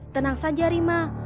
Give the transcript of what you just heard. tenang saja rima